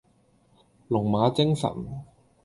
龍馬精神